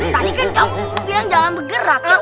tadi kan kamu bilang jangan bergerak